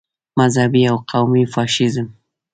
مذهبي او قومي فاشیزم.